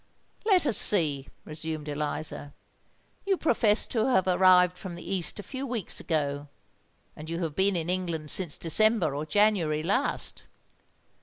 "Let us see," resumed Eliza. "You profess to have arrived from the East a few weeks ago; and you have been in England since December or January last!